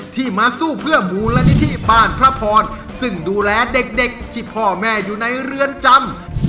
ที่มาสู้เพื่อมูลนิธิบ้านพระพรซึ่งดูแลเด็กที่พ่อแม่อยู่ในเรือนจำ